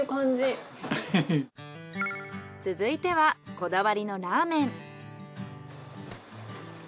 続いてはこだわりのラーメン。